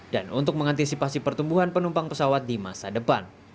dan untuk mengantisipasi pertumbuhan penumpang pesawat di masa depan